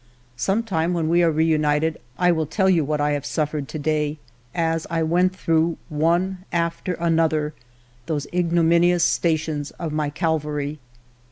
Some time ALFRED DREYFUS 53 when we are reunited, I will tell you what I have suffered to day as I went through, one after another, those ignominious stations of my Cal vary.